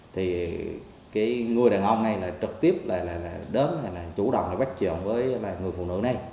thì cái người đàn ông này là trực tiếp là đớn là chủ động là bách trưởng với người phụ nữ này